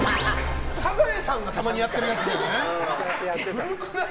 サザエさんがたまにやってるやつじゃない？